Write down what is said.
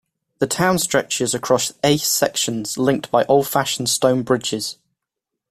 The town stretches across eight sections, linked by old-fashioned stone bridges.